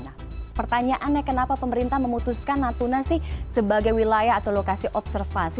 nah pertanyaannya kenapa pemerintah memutuskan natuna sih sebagai wilayah atau lokasi observasi